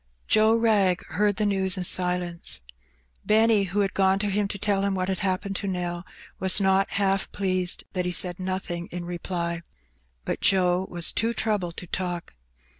Joe Wrag heard the news in silence. Benny, who had gone to him to tell him what had happened to Nell, was not half pleased that he said nothing in reply. But Joe was too troubled to talk.